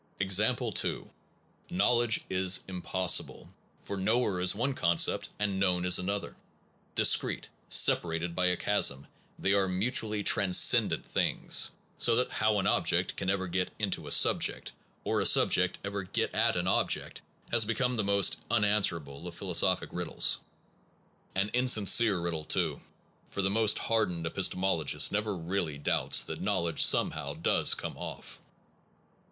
Example 2. Knowledge is impossible; for knower is one concept, and known is another. Discrete, separated by a chasm, they are mu tually transcendent things, so that how an 86 PERCEPT AND CONCEPT object can ever get into a subject, or a subject ever get at an object, has become the most unanswerable of philosophic riddles. An insin cere riddle, too, for the most hardened epis temologist never really doubts that know ledge somehow does come off.